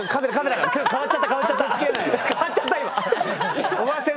かわっちゃった今。